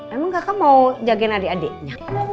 emang kakak mau jagain adik adiknya